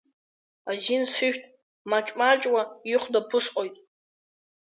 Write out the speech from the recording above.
Азин сышәҭ, маҷ-маҷла ихәда ԥысҟоит.